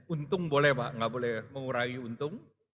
untung boleh pak nggak boleh mengurangi untung